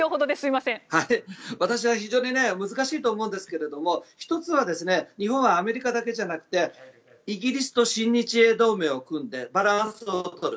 私は非常に難しいと思いますが１つは日本はアメリカだけじゃなくてイギリスと新日英同盟を組んでバランスを取る。